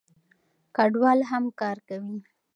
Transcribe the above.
کډوال هم کار کوي.